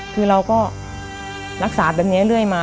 คือเราก็รักษาแบบนี้เรื่อยมา